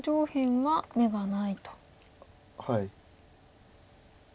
はい。